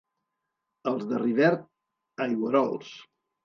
Els de Rivert, aigüerols.